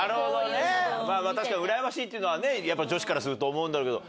確かにうらやましいっていうのは女子からすると思うんだろうけど。